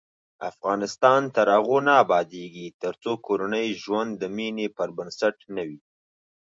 افغانستان تر هغو نه ابادیږي، ترڅو کورنی ژوند د مینې پر بنسټ نه وي.